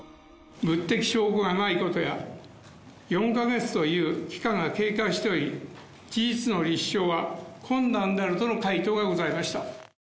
物的証拠がないことや、４か月という期間が経過しており、事実の立証は困難であるとの回答がございました。